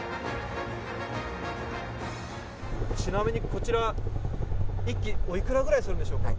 ちなみにこちら、１機おいくらぐらいするんでしょうか？